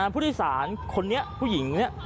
ผู้โดยสารคนนี้ผู้หญิงเนี่ย